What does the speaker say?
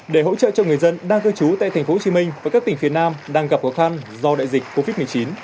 để hỗ trợ cho người dân đang cư trú tại tp hcm và các tỉnh phía nam đang gặp khó khăn do đại dịch covid một mươi chín